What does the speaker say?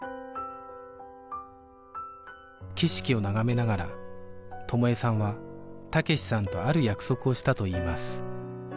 景色を眺めながら友枝さんは武志さんとある約束をしたといいます